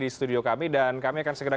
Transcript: di studio kami dan kami akan segera